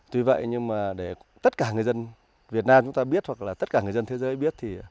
tuy vậy nhưng để tất cả người dân việt nam chúng ta biết hoặc tất cả người dân thế giới biết